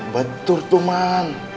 betul tuh man